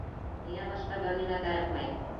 — Миңә башҡа бер нимә кәрәкмәй.